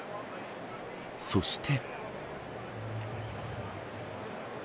そして。